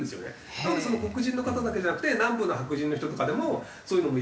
なので黒人の方だけじゃなくて南部の白人の人とかでもそういうのもいるし。